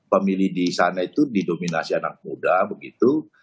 pemilih di sana itu didominasi anak muda begitu